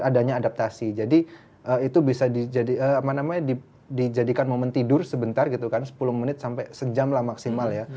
adanya adaptasi jadi itu bisa dijadikan momen tidur sebentar gitu kan sepuluh menit sampai sejam lah maksimal ya